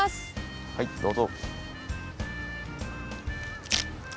はいどうぞ。